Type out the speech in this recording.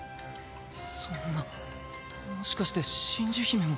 そんなもしかして真珠姫も。